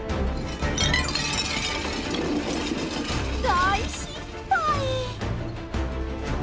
大失敗！